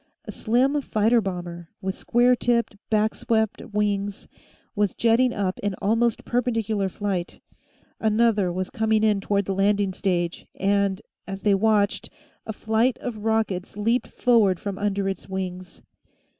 A slim fighter bomber, with square tipped, backswept, wings, was jetting up in almost perpendicular flight; another was coming in toward the landing stage, and, as they watched, a flight of rockets leaped forward from under its wings.